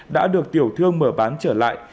đã được tiểu thương mở bán trở lại